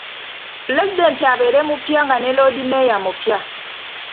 Pulezidenti abeere mupya nga ne Loodimmeeya mupya.